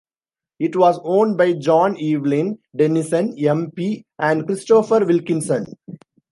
It was owned by John Evelyn Dennison, M. P. and Christopher Wilkinson.